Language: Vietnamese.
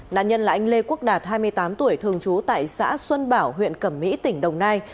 nạn nhân là anh lê quốc đạt hai mươi tám tuổi thường trú tại xã xuân bảo huyện cẩm mỹ tỉnh đồng nai